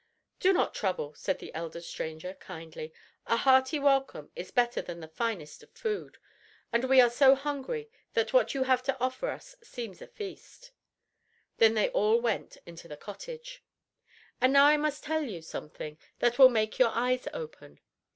"Do not trouble," said the elder stranger kindly. "A hearty welcome is better than the finest of food, and we are so hungry that what you have to offer us seems a feast." Then they all went into the cottage. And now I must tell you something that will make your eyes open.